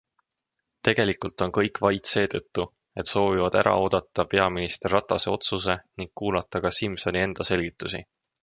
Tegelikult on kõik vait seetõttu, et soovivad ära oodata peaminister Ratase otsuse ning kuulata ka Simsoni enda selgitusi.